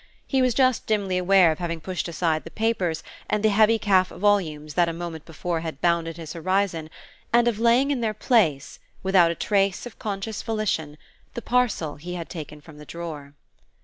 He was just dimly aware of having pushed aside the papers and the heavy calf volumes that a moment before had bounded his horizon, and of laying in their place, without a trace of conscious volition, the parcel he had taken from the drawer.